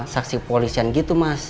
saksi kepolisian gitu mas